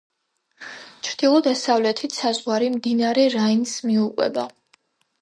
ჩრდილო-დასავლეთით საზღვარი მდინარე რაინს მიუყვება.